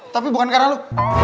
tapi bukan karena lu